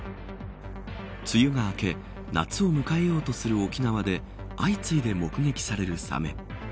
梅雨が明け夏を迎えようとする沖縄で相次いで目撃されるサメ。